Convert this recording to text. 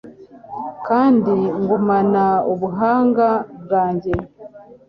kandi ngumana ubuhanga bwanjye